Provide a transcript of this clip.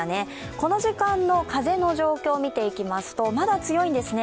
この時間の風の状況を見ていきますと、まだ強いんですね。